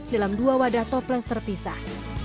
dalam dua wadah toples terpisah